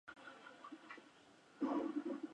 Aprende cirugía con Falkirk en Escocia.